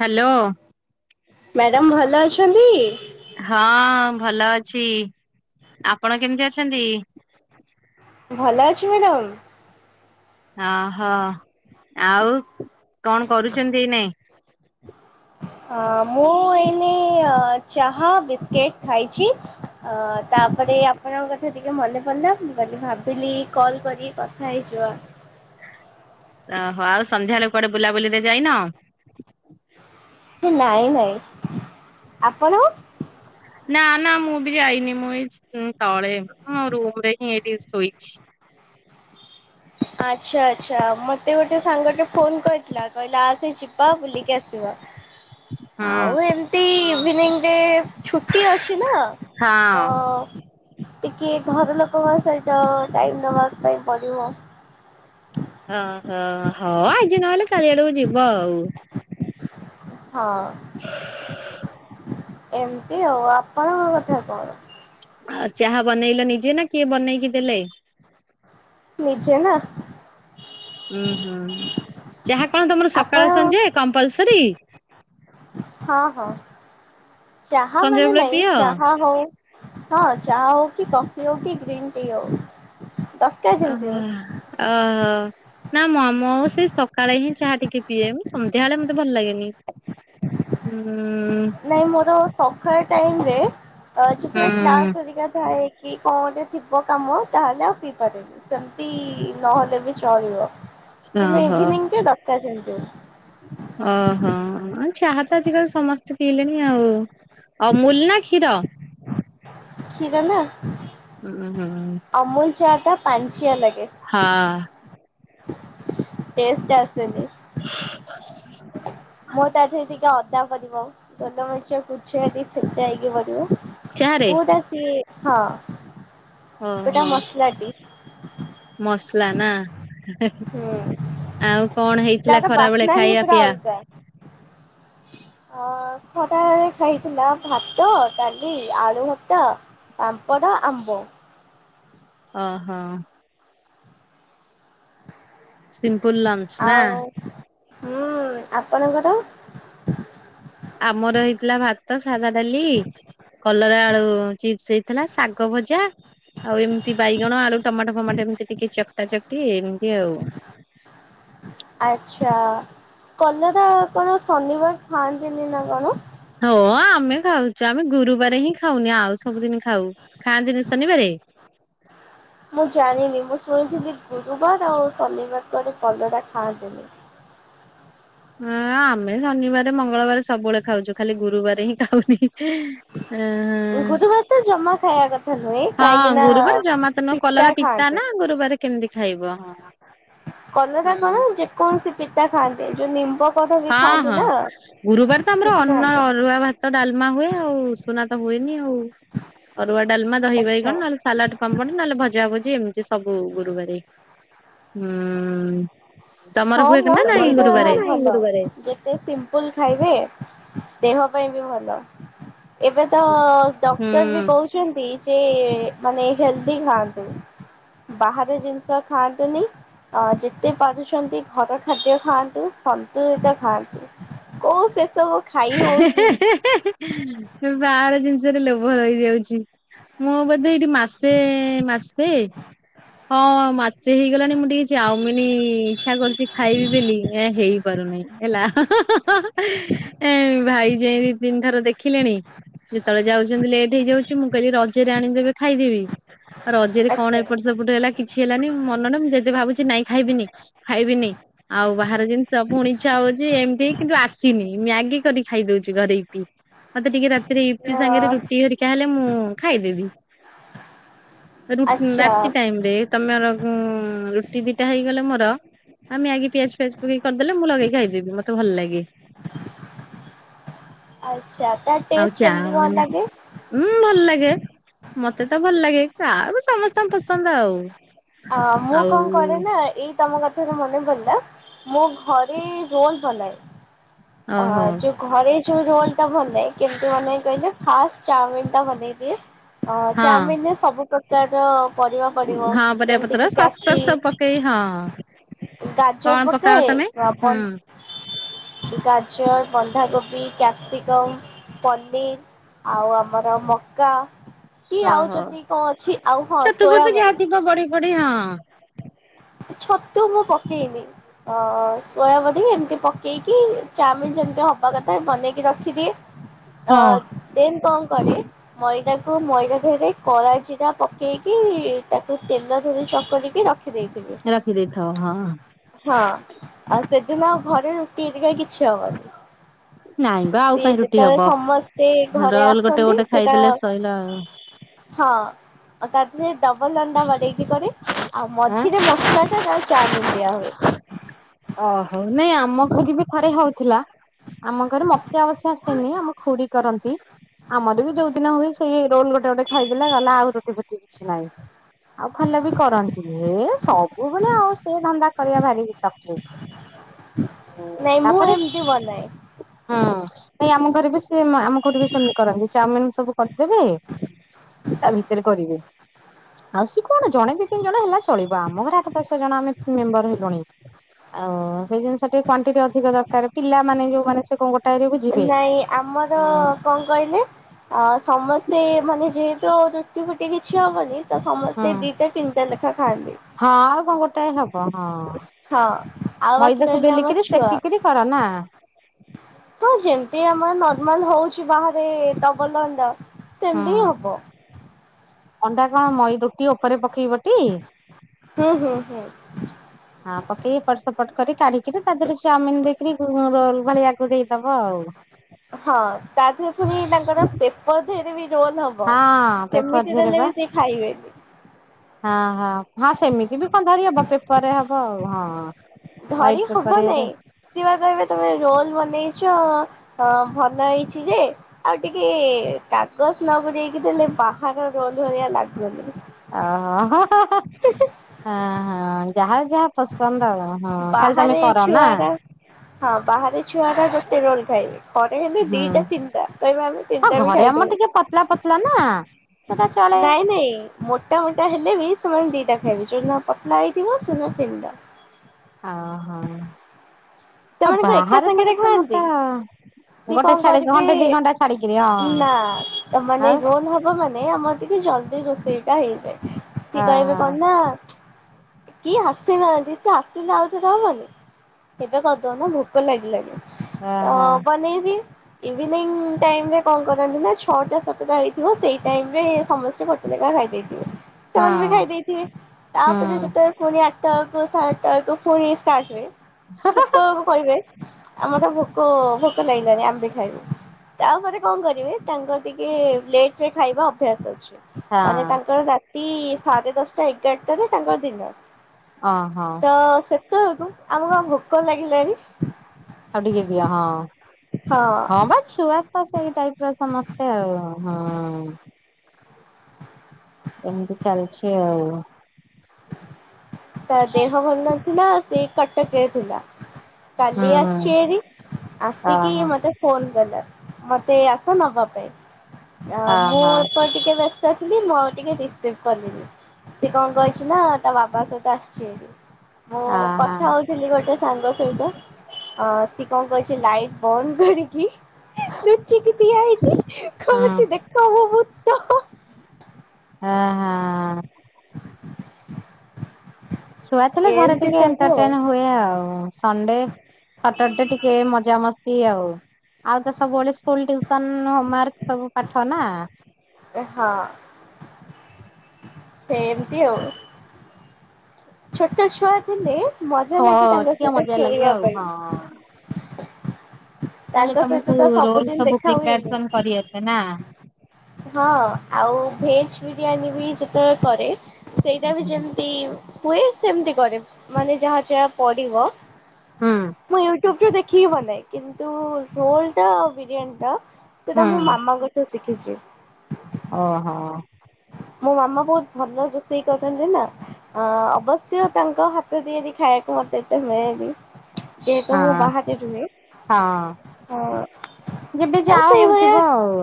Hello. Madam ଭଲ ଅଛନ୍ତି? ହଁ ଭଲ ଅଛି ଆପଣ କେମିତି ଅଛନ୍ତି? ଭଲ ଅଛି ମ୍ୟାଡ଼ାମ। ଅହୋ ଆଉ କଣ କରୁଚନ୍ତି ଏ ମୁଁ ଏଇନି ଚାହା ବିସ୍କି ଖାଇଚି। ଅ ତାପରେ ଆପଣ ଟିକେ ମନେ ପଡ଼ିଲା ମୁଁ ଭାବିଲି କଲ୍ କରି କଥା ହେଇଯିବା। ଓହୋ ଆଉ ସନ୍ଧ୍ୟା ବେଳ କୁଆଡେ ବୁଲାବୁଲିରେ ଯାଇନ? ନାଇଁ ନାଇଁ, ଆପଣ? ନା ନା ମୁଁ ବି ଯାଇନି, ମୁଁ ତଳେ ରୁମ ରେ [unintelligible] ଶୋଇଇଛି। ହ ଆଚ୍ଛା ଆଚ୍ଛା ମତେ ଗୋଟେ ସାଙ୍ଗ ଟେ ଫୋନ କରିଥିଲା କହିଲା ଆ ସେ ଯିବା ବୁଲିକି ଆସିବା। ହଁ। ଆଉ ଏମିତି ଗ ଛୁଟି ଅଛି ନା ହଁ ତ ଟିକେ ଘର ଲୋକଙ୍କ ସହିତ ଟାଇମ ନବା ପାଇଁ ପଡିବ। ଓହୋ ହୋଉ ଆଜି ନହେଲେ କାଲି ଆଡକୁ ଯିବ ଆଉ। ହଁ। ଏମିତି ଆଉ ଆପଣଙ୍କ କଥା କଣ? ଆଉ ଚାହା ବନେଇଲା ନିଯେ ନା କିଏ ବନେଇକି ଦେଲେ। ନିଯେ ନା। ଉୁଁ ହୁଁ ଚାହା କଣ ତମର ସକାଳ ଆପଣ ସଞ୍ଯା କମ୍ପଲସରୀ? ହଁ ହଁ ଚାହା ମାନେ ସଞ୍ଜବେଳେ ନାହିଁ ପିଅ? ଚାହା କୁ ହଁ ଚାହା ହୋଉ କଫି ହୋଉ କି ଗ୍ରୀନ୍ ଟି ହୋଉ। ଓ ଓ ନା ମମୋ ଆଉ ସେ ସକାଳେ ହିଁ ଚାହା ଟିକେ ପିଏ ସନ୍ଧ୍ୟାବେଳେ ମତେ ଭଲ ଲାଗେନି। ହୁଁ। ନାଇଁ ମୋର ସକାଳ ଟାଇମରେ ଯେତେବେଳେ ହୁଁ କ୍ଲାସ୍ ହାରିକା ଥାଏ। କି କଣ ଗଟେ ଥିବ କାମ ତାହଲେ ଆଉ ପିଇପାରେନି ସେମିତି ନହେଲେ ବି ଚଳିବ। କିନ୍ତୁ ଓହୋ। ଇଭିନିଂ ଦରକାର [unintelligible] ଓହୋ ଚାହା ତ ଆଜିକାଲି ସମସ୍ତ ପିଇଲେଣି ଆଉ ଆଉ ଅମୁଲ ନା କ୍ଷୀର? [unintelligible] ନା ହୁଁ ହୁଁ। ଟ ପାଞ୍ଚଆ ଲାଗେ, ହଁ ଟେଷ୍ଟ୍ ଆସେନି। ମୁଁ ତାଦେହେ ଟିକେ ଅଧି [unintelligible] ପଡ଼ିବ ବୋଲମରିଚ ଛେଚା ହେଇକି ପଡ଼ିବ ଚାହାରେ ପୁରା ସେ ହଁ ଓହୋ ଏଟା ମସଲାଟି ମସଲା ନା ହୁଁ ଆଉ କଣ ହେଇଥିଲା ତାର ଖରାବେଳେ ବାସ୍ନା ହିଁ ଖାଇବା? ପୁରା ପିଇବା? ଅଲଗା। ଅ ଖଟା ଖାଇଥିଲ ଭାତ, ଡାଲି, ଆଳୁ ଭର୍ତା ପାମ୍ପଡ଼, ଆମ୍ବ। ଅ ହଁ। ସିମ୍ପୁଲ ଲଞ୍ଚ ନା? ଆଉ ହୁଁ ଆପଣଙ୍କର? ଆମର ହେଇଥିଲା ଭାତ, ସାଧା ଡାଲି କଲରା ଆଳୁ ଚିପ୍ସ ହେଇଥିଲା ଶାଗ ଭଜା ଆଉ ଏମତି ବାଇଗଣ ଆଳୁ ଟମାଟୋ ଫମାଟୋ ଏମିତି ଟିକେ ଚକଟା ଚକଟି ଏମିତି ଆଉ। ଆଚ୍ଛା। କଲରା କଣ ଶନିବାର ଖାଆନ୍ତିନି ନା କଣ? ହଁ ଆମେ ଖାଉ ଚୁ। ଆମେ ଗୁରୁବାରେ ହିଁ ଖାଉନି ଆଉ ସବୁଦିନ ଖାଉ। ଖାଆନ୍ତିନି ଶନିବାରେ? ମୁଁ ଜାଣିନି ମୁଁ ଶୁଣିଥିଲି ଗୁରୁବାର ଆଉ ଶନିବାର ପରି କଲରା ଖାଆନ୍ତିନି। ହଁ ଆମେ ଶନିବାରେ ମଙ୍ଗଳବାରେ ସବୁବେଳେ ଖାଉଛୁ। ଖାଲି ଗୁରୁବାରେ ହିଁ ଖାଉନି। ହଁ ହଁ। ଗୁରୁବାର ତ ଜମା ଖାଇବା କଥା ନୁହେଁ କାହିଁକି ହଁ ନା ଗୁରୁବାର ଜମା ତ ନୁହଁ, କଲରା ପିତା ନା ଗୁରୁବାର କେମତି ଖାଇବୁ? ହଁ ହଁ। କଲରା କଣ ଯେକୌଣସି ପିତା ଖାଆନ୍ତିନି। ଯୋଉ ନିମ୍ବ କଢ ବି ହଁ ଖାଆନ୍ତି ହଁ ନା ଗୁରୁବାର ତ ଆମର କିଛି ଅର୍ଣ୍ଣ ଖାଆନ୍ତିନି ଅରୁଆ ଭାତ, ଡାଲି ଲମା ହୁଏ ଆଉ ସୁନା ତ ହୁଏନି ଆଉ। ଅରୁଆ ଡ଼ା ଡାଲମା, ଦହି ବାଇଗଣ ଆଚ୍ଛା ନହେଲେ ସାଲାଡ, ପାମ୍ପଡ ନହେଲେ ଭଜା ଭଜି ଏମିତି ସବୁ ଗୁରୁବାରେ ହୁଁ। ତମର ହଁ ହୁଏ କି ମ ନା ନାଇଁ ସେଇଟା ଗୁରୁବାରେ? ଭଲ ଯେତେ ସିମ୍ପୁଲ୍ ଖାଇବେ, ଦେହ ପାଇଁ ବି ଭଲ। ଏବେ ତ ହୁଁ ଡକ୍ଟର ବି କହୁଛନ୍ତି ଯେ ମାନେ ହେଲ୍ଦି ଖାଆନ୍ତୁ। ବାହାର ଜିନିଷ ଖାଆନ୍ତୁନି ଅ ଯେତେ ପାରୁଛନ୍ତି ଘର ଖାଦ୍ୟ ଖାଆନ୍ତୁ, ସନ୍ତୁଳିତ ଖାଆନ୍ତୁ। ଓ ସେ ସବୁ ଖାଇ ହେ ହେ ହଉଛି ହେ ହେ ହେ ହେ ବାହାର ଜିନିଷ ଷରେ ଲୋଭ ରହିଯାଉଛି। ମୁଁ ବୋଧେ ଏଇଠି ମାସେ ମାସେ ହଁ ମାସେ ହେଇଗଲାଣି ମୁଁ ଟିକେ ଚାଉମିନି ଇଚ୍ଛା କରୁଛି ଖାଇବି ବେଲି ଏ ହେଇପାରୁ ନେଇଁ ହେଲା। ଏ ଭାଇ ଯାଇ ଦି ତିନି ଥର ଦେଖିଲେଣି ଯେତେବେଳେ ଯାଉଛନ୍ତି ଲେଟ୍ ହେଇଯାଉଛି, ମୁଁ କହିଲି ରଜରେ ଆଣିଦେବେ ଖାଇଦେବି, ଆଉ ରଜରେ କଣ ଆଚ୍ଛା ଏପଟ ସେ ଟ କିଛି ହେଲାନି, ମନ ନୁହଁ ମୁଁ ଯଦି ଭାବୁଛି ନାଇଁ ଖାଇବିନି, ଖାଇବିନି ଆଉ ବାହାର ଜିନିଷ ପୁଣି ଇଚ୍ଛା ହଉଛି ଏମିତି କିନ୍ତୁ ଆସିନି। ମ୍ୟାଗି କରିି ଖାଇଦଉଛି ଘରେ ଇପି। ମତେ ଟିକେ ରାତିରେ ଇ ପି ଅ ସାଙ୍ଗରେ ରୁଟି ହେରିକା ହେଲେ ମୁଁ ଖାଇଦେବି। ରୁଟି ରା ଆଚ୍ଛା ରାତି ଟାଇମ୍ ରେ ତମର ରୁଟି ଦିଟା ହେଇଗଲେ ମୋର ଆମେ ଆଗେ ପିଆଜ ଫିଆଜ ପକେଇ କରିଦେଲେ, ମୁଁ ଲଗେଇକି ଖାଇଦେବି ମତେ ଭଲ ଲାଗେ। ଆଚ୍ଛା ତା ଆଉ ଟେଷ୍ଟ ଚା କେମିତି କଣ ହୁଏନି? ଲାଗେ? ଉଁ ଭଲ ଲାଗେ, ମତେ ତ ଭଲ ଲାଗେ କାହାକୁ ସମସ୍ତଙ୍କ ପସନ୍ଦ ଆଉ। ଅ ମୁଁ ଆଉ କଣ କରେ ନା ଏଇ ତମ କଥାରୁ ମନେ ପଡିଲା ମୁଁ ଘରେ ରୋଲ ବନାଏ। ଅ ଓହୋ ଯୋଉ ଘରେ ଯୋଉ ରୋଲଟା ବନାଏ, କେମତି ବନାଏ କହିଲେ? ଫାଷ୍ଟ ଚାଉମିିନ ଟା ବନେଇଦିଏ। ଅ ହଁ। ଚାଉମିିନରେ ସବୁ ପ୍ରକାରର ପରିବା ପଡ଼ିବ, ହଁ ପରିବା ଯେମତି ପତ୍ର କି ସକ୍ସ ଫକ୍ସ ସବୁ ପକେଇ ହଁ କ୍ୟାପ୍ସି ଗାଜର କଣ ପକାଅ ପକାଏ ତମେ? ହୁଁ ଗାଜର, ବନ୍ଧାକୋବି ବି କ୍ୟାପ୍ସିକମ୍, ପନିର୍ ଆଉ ଆମର ମକା କି ଆଉ ଓହୋ ଯେତିକି କଣ ଅଛି? ଆଉ ହଁ ଛତୁ ଫତୁ ସୋୟା ଯାହା ବଡ଼ି ଥିବ ବଢି ଫଡି ହଁ। ଛତୁ ମୁଁ ପକେଇନି। ଅ ସୋୟା ବଡ଼ି ଏମତି ପକେଇକି, ଚାଉମିନ ଯେମତି ହବା କଥା ବନେଇକି ରଖିଦିଏ ଅ ହଁ। ଦେନ୍ କଣ କରେ ମଇଦାକୁ ତାକୁ ମଇଦା ରେ କଳା ଜିରା ପକେଇକି ତାକୁ ତେଲ ଧରି ଚକଟିକି ରଖିଦେଇଥିଲି। ରଖି ଦେଇଥାଉ ହଁ। ହଁ ଆଉ ସେଦିନ ଆଉ ଘରେ ରୁଟି ଏରିକା କିଛି ନାଇଁ ହବନି। ବା ଆଉ ସିଏ କାହିଁ ରୁଟି ଯେତେବେଳେ ହବ ସମସ୍ତେ ଘରେ ରୋଲ ଗୋଟେ ଆସନ୍ତି ଗୋଟେ ସେ ଟା ଖାଇଦେଲେ ସଇଲା ଆଉ। ହଁ ତାରେ ଡବଲ ଅଣ୍ଡା ବନେଇକି କରି ଆଉ ଆଁ ମଝିରେ ମସ ମାସଲ ତାପରେ ଚୋଉମି ଦିଆ ହୁଏ। ପୁରୀ ବି ଥରେ ହଉଥିଲା ଆମ ଘର ମତେ ଆବଶ୍ୟ ଆସେନି ଆମ ଖୁଡି କରନ୍ତି। ଆମର ବି ଯୋଉ ଦିନ ହୁଏ ସେଇ ରୋଲ ଗୋଟେ ଗୋଟେ ଖାଇଦେଲେ ଗହିଲଲା ଆଉ ରୁଟି ଫଟି କିଛି ନାହିଁ। ଆଉ ଭଲ ବି କରନ୍ତିନି ଏ ସବୁବେଳେ ଆଉ ସେ ଧନ୍ଦା କରିବା ବାହାରି ନାଇଁ ମୁଁ ତାପରେ ଏମିତି ବନାଏ ହୁଁ। ନାଇଁ ଆମ ଘରେ ବି ସେ ଆମ ଘଠ ବି ସେମିତି କରନ୍ତି ଚାଉମିନ ସବୁ କରିଦେବେ ତା ଭିତରେ କରିବେ। ଆଉ ସି କଣ ଜଣେ ଦି ତିନି ଜଣ ହେଲା ଚଳିବା ଆମ ଘରେ ଆଠ ଦଶ ଜଣ ଆମେ ମେମ୍ବର ହେଲୁଣି ଆ ସେଇ ଜିନିଷ ଟିକେ କ୍ଵଣ୍ଟିଟି ଅଧିକ ଦରକାର ପିଲାମାନୋନେ ଯୋଉ ମାନେ ସେ କଣ ଗୋଟେ ନାଇଁ ଆମର କଣ କହିଲେ ଅ ସମସ୍ତେ ମାନେ ଯେ ତ ରୁଟି ଫୁଟି କିଛି ହବନି ତ ହଁ ସମସ୍ତେ ଦିଟା ତିନିଟା ଲେଖା ଖାଆନ୍ତି। ଟ ହବ ହଁ ହଁ ଆଉ ବାକି ମଇଦାକୁ ରହିଲା ଆମ ବେଲିକିରି ଛୁଆ ସେଖିକିରି କର ନା। ହଁ ଯେମତି ଆମର ନର୍ମାଲ ହଉଛି ବାହାରେ ଦବଲଣ୍ଡା ହଁ ସେମିତି ହବ। ଅଣ୍ଡା କଣ ମଇ ରୁଟି ଉପରେ ପ ପକେଇ ବଟି ହୁଁ ହୁଁ ହୁଁ ଆଉ ପକେଇ ଏପଟ ସପଟ କରି କାଢ଼ିକିରି ତା ଦେହରେ ଚାଉମିନ ଦେଇକରି ରୋଲ ଭଳି ଗୁରେଇ ଦବ ଆଉ। ହଁ ତା ଦେହରେ ପୁଣି ତାଙ୍କର ପେପର ଧରେ ବି ଜୋନ ହବ ହଁ ପେପର ସେମିତି ଝିରେ ବା। ଦେଲେ ବି ସେ ଖାଇବେନି। ହଁ ହଁ ହଁ ସେମିତି ବି କଣ ଧରି ହବ ପେପରରେ ହବ ଆଉ ହଁ। ଧରି ହ୍ୱାଇଟ ପେପର ହବ ନାଇଁ ଇଏରେ ସିବା କହିବେ ତମେ ରୋଲ ବନେଇଛ ହ ଭଲ ହେଇଛି ଯେ ଆଉ ଟିକେ କାଗଜ ନଗୁରେକି ଦେଥିଲେ ବାହାର ର ଭଳିଆ ଲାଗୁନି। ଓହୋ ହ ହଁ ଯାହାର ଯାହା ପସନ୍ଦ ଆଉ। ହଁ ତାହେଲେ ତମେ ବାହାରେ କର ଛୁଆ ନା? ଟା ହଁ ବାହାରେ ଛୁଆ ଟା ଗୋତେ ରୋଲ ଖାଇବେ। ଘରେ ହେୁ ଦିଟା ହୁଁ ତିନିଟା କହିବା ଆମେ ହଁ ତିନିଟା ବି ଘରେ ଆମର ଟିକେ ପତଲା ଖାଇଦବୁ। ପତଲା ନା ସେଟା ଚଳେ। ନାଇଁ ନାଇଁ ମୋଟା ମୋଟା ହେଲେ ବି ଦିଟା ଫେରଛୁ ନା ପତଲା ଆଇଥିବ ସେ ଦିନ ତିନିଟା। ହ ହଁ। ସେମାନଙ୍କୁ ଏକା ସାଙ୍ଗରେ ଖୁଆନ୍ତି। ସେ ଗୋଟେ କଣ ଛାଡି କରିବି ଘଣ୍ଟେ ଦି ଘଣ୍ଟା ଛାଡିକିରି ହଁ ନା ମାନେ ଆଉ ରୋଲ ହବ ମାନେ ଆମର ଟିକେ ଜଲଦି ରୋଷେଇଟା ହେଇଯାଏ ସି କହିବେ ଓହୋ କଣ ନା କି ଆସିନାହାନ୍ତି ସେ ଆସିଲେ ଆଉ ଥରେ ହବନି। ଏବେ କରିଦଉନୁ ଭୋକ ଲାଗିଲାଣିି ତ ଓହୋ ବନେଇବି ଇଭିନିଂ ଟାଇମରେ କଣ କରନ୍ତି ନା ଛଅଟା ସାତଟା ହେଇଥିବ ସେଇ ଟାଇମ୍ ସମସ୍ତେ ଗୋଟେ ଜାଗା ଖାଇ ଦେଇେଇଥିବେ ହଁ ସେମାନେ ବି ଖାଇଦେଇଥିବେ ହୁଁ ତାପରେ ଯେତେବେଳେ ପୁଣି ସାତ କ ସାତଟା କ ପୁଣି ଷ୍ଟାର୍ଟ ହୁଏ। ସେ ତେବେଳକୁ କହିବେ ଆମର ତ ଭୋକ ଭୋକ ଲାଗିଲାନି ଅମେବି ଖାଇବୁ। ତାପରେ କଣ କରିବି ତାଙ୍କର ଟିକେ ଲେଟ ରେ ଖାଇବା ଅଭ୍ୟାସ ଅଛି। ମାନେ ହଁ ତାଙ୍କର ରାତି ସାଢେ ଦଶଟା ଏଗାରଟାରେ ତାଙ୍କର ଡିନର। ହ ହଁ। ୁ ଆମକୁ କଣ ଭୋକ ଲାଗିଲାଣି ଆଉ ଟିକେ ଦିଅ ହଁ। ହଁ ବା ଛୁଆ ତ ସେଇ ଟାଇପ ର ସମସ୍ତେ ଆଉ ହଁ। ଏନ୍ତ ଚାଲିଛି ଆଉ। ତା ଦେହ ଭଲ ନଥିଲା, ସେ କଟକରେ ଥିଲା। କାଲି ହୁଁ ଆସିଛି ଏରି, ଆସିକି ଅହ ମତେ ଫୋନ କଲା। ମତେ ଆସ ନବା ପାଇଁ, ମୁଁ ଅହ ଏପ ଟିକେ ବ୍ୟସ୍ତ ଥିଲି, ମୁଁ ଆଉ ଟିକେ ରିସିଭ୍ କଲିିନି, ସେ କଣ କ ନା ତା ବାବା ସହିତ ଆସିଛି, ଏଠି ମୁଁ ଅହ କଥା ହଉଥିଲି ଗୋଟେ ସାଙ୍ଗ ଅ ସି କଣ କଛି ଲାଇଟ୍ ବନ୍ଦ କରିକି ଲୁଚିକି ଠିଆ ହେଇଛି, ହୁଁ କହୁଛି ଦେଖ ମୁଁ ଭୁତ। ହଁ, ହଁ। [unintelligible] ଛୁଆ ଥିଲେ, ଘରେ ଏମିତି ଟିକେ ସବୁ ଆଉ ଏଣ୍ଟରଟେନ ହୁଏ ଆଉ ସଣ୍ଡେ ସଟର ଡେ ଟିକେ ମଜାମସ୍ତି ଆଉ ଆଉ ତ ସବୁବେଳେ ସ୍କୁଲ ଟୁସନ ହୋମୱାର୍କ ସବୁ ପାଠ ନା ହଁ ସେ ଏମତି ଆଉ ଛୋଟ ଛୁଆ ଥିଲେ ମଜା ଲାଗେ ହଁ ତାଙ୍କ ଟିକେ ସହିତ ମଜା ଲାଗେ ଖେଳିବା ଆଉ ହଁ। ପାଇଁ ତାହଲେ ତାଙ୍କ ସହିତ ତମକୁ ତ ରୋଲ ସବୁଦିନ ସବୁ ଦେଖା ହୁଏନି। ପ୍ରିପାରେସନ କରିଆସେ ନା ହଁ, ଆଉ ଭେଜ ବିରିୟାନୀ ବି ଯେତେବେଳେ କରେ ସେଇଟା ବି ଯେମିତି ହୁଏ, ସେମିତି କରେ ମାନେ ଯାହା ଯାହା ପଡିବ ହୁଁ ମୁଁ ୟୁଟୁବ ରେ ଦେଖିକି ବନାଏ, କିନ୍ତୁ ରୋଲ ଟା, ବିରିୟାନୀ ଟା ହୁଁ ସେଟା ମୁଁ ମାମା କଥା ଶିଖିଛି। ଓ ହୋ ମୋ ମାମା ବହୁତ ଭଲ ରୋଷେଇ କରୁଛନ୍ତି ନା, ଅବଶ୍ୟ ତାଙ୍କ ହାତ ତିଆରି ଖାଇବାକୁ ମତ ହବି ଯେହେତୁ ହଁ ମୁଁ ବାହାତି ତମେ ହଁ ହ [unintelligible] ଯେବେ, ଯାହା ହଉଥିବ ଆଉ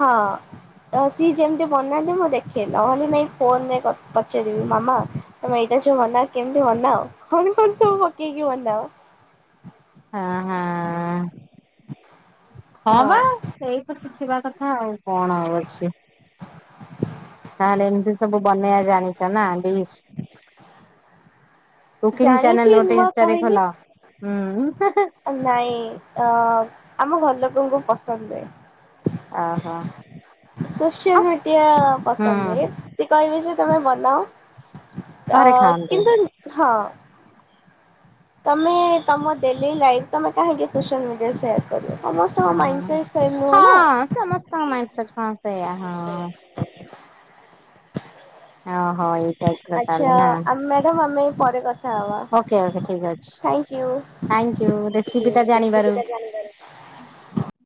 ହଁ ସିଏ ଯେମିତି ବନାନ୍ତି, ମୁଁ ଦେଖେ ହେଲେ ନହେଲେ ନାଇଁ ଫୋନ ରେ ପଚେଇଦେବି ମାମା ତମେ ଏଇ ମନା କେମିତି ମନା ଆଉ କଣ କଣ ସବୁ ପକେଇକି ମନାଅ? ହଁ, ହଁ। ହଁ, ବା ସେଇ ତ ଶିଖିବା କଥା ଆଉ କଣ ଆଉ ଅଛି ତାହେଲେ, ଏମିତି ସବୁ ବନେଇବା ଜାଣିଛ ନା ଡିସ୍ କୁକିଂ ଚ୍ୟାନେଲ ଜାଣିଛି ଗୋଟେ ନୂଆ ଇନଷ୍ଟାରେ କହିଲି। ଖୋଲ। ହୁଁ ନାଇଁ, ଅ ଆମ ଘର ଲୋକଙ୍କୁ ପସନ୍ଦ। ଓହୋ ସୋସିଆଲ ମିଡିଆ ହୁଁ ପସନ୍ଦ ନୁହଁ, କହିବେ ଯେ ତମେ ବନାଅ ଘରେ ଖାଆନ୍ତୁ କିନ୍ତୁ ହଁ ତମେ ତମ ଡେଲି ଲାଇଫ, ତମେ କାହିଁକି ସୋସିଆଲ ମିଡିଆରେ ସେୟାର କର ହଁ, ହଁ, ସମସ୍ତଙ୍କ ମାଇଟ କଣ ସେଇୟଆ ହଁ ହ ହଁ ଆଛା, ମ୍ୟାଡାମ ଆମେ ପରେ କଥା ହ ଓକେ ଓକେ ଠିକ ଅଛି। ଥ୍ୟାଙ୍କ ୟୁ ରେସିପି ଟା ଜାଣିବାରୁ। ଥାଙ୍କୟୁ [unintelligible]